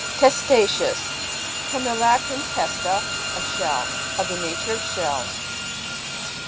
TESTA'CEOUS. From the Latin, testa, a shell. Of the nature of shells.